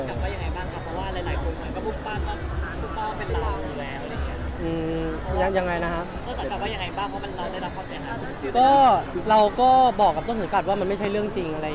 ก็ตอบว่ายังไงบ้างครับเพราะว่าหลายคนเหมือนกับบุ๊บบ้านว่าทุกคนเป็นเราอยู่แล้ว